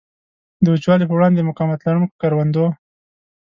د وچوالي په وړاندې د مقاومت لرونکو کروندو.